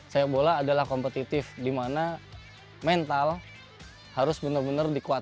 sepak bola adalah kompetitif di mana mental harus benar benar dikuatkan